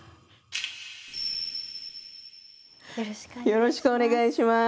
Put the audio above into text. よろしくお願いします。